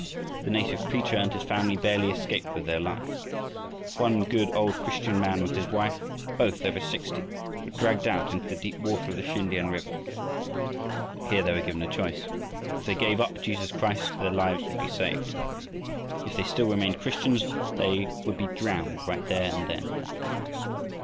The native preacher and his family barely escaped with their lives. One good old Christian man with his wife, both over sixty, were dragged out into the deep water of the Sin tiam river. Here they were given a choice. If they gave up Jesus Christ, their lives would be saved. If they still remained Christians, they would be drowned right there and then.